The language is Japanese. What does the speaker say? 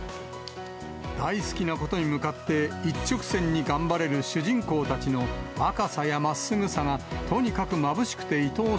大好きなことに向かって、一直線に頑張れる主人公たちの若さやまっすぐさが、とにかくまぶ